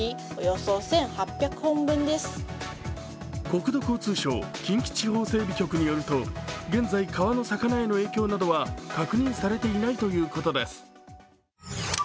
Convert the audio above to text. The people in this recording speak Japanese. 国土交通省・近畿地方整備局によると現在、川の魚へ影響などは確認されていないということです。